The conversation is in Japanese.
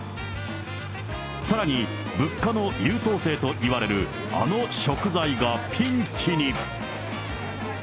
さらに、物価の優等生といわれるあの食材がピンチに。